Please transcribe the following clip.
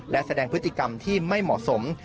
และแสดงพฤติกรรมที่ไม่เหมาะสม